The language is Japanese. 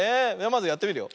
まずやってみるよ。